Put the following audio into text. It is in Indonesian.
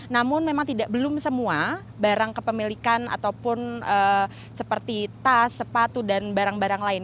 namun memang belum semua barang kepemilikan ataupun seperti tas sepatu dan barang barang lain